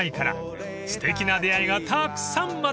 ［すてきな出会いがたくさん待っています］